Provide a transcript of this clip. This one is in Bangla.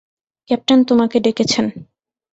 ক্যাপ্টেন তোমাকে ডেকেছেন।